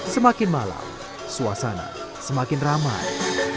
semakin malam suasana semakin ramai